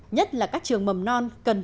nhất là các trường mầm non cần